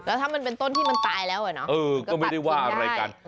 แล้วถ้ามันเป็นต้นที่มันตายแล้วอ่ะเนอะก็ไม่ได้ว่าอะไรกัน